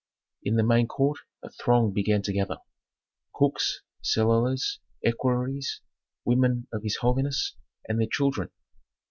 In the main court a throng began to gather; cooks, cellarers, equerries, women of his holiness, and their children.